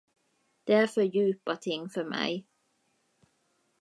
Det är för djupa ting för mig.